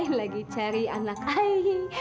i lagi cari anak i